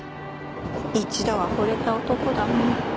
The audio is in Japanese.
一度は惚れた男だもん。